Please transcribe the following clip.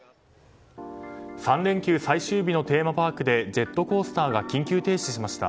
３連休最終日のテーマパークでジェットコースターが緊急停止しました。